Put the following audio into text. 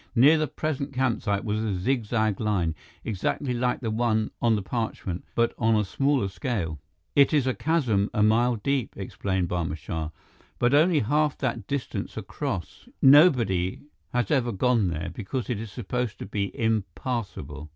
Near the present campsite was a zig zag line, exactly like the one on the parchment, but on a smaller scale. "It is a chasm a mile deep," explained Barma Shah, "but only half that distance across. Nobody has ever gone there, because it is supposed to be impassable."